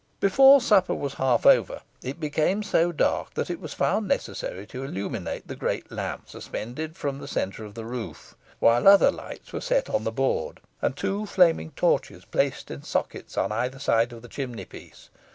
Before supper was half over, it became so dark that it was found necessary to illuminate the great lamp suspended from the centre of the roof, while other lights were set on the board, and two flaming torches placed in sockets on either side of the chimney piece.